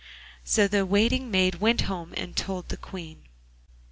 So the waiting maid went home and told the Queen.